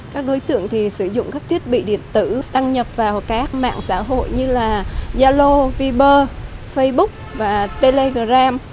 các đối tượng sử dụng các thiết bị điện tử tăng nhập vào các mạng xã hội như là yalo viber facebook và telegram